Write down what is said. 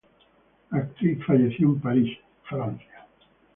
La actriz falleció en París, Francia.